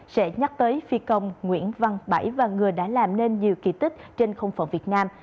sẽ nhắc tới phi công nguyễn văn bảy và người đã làm nên nhiều kỳ tích trên không phận việt nam